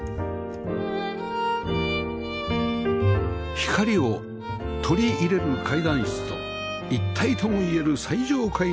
光を取り入れる階段室と一体ともいえる最上階の ＬＤＫ